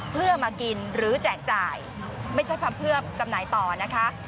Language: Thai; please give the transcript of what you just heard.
เพื่อมากินหรือแจกจ่ายไม่ใช่ทำเพื่อจำหน่ายต่อนะคะ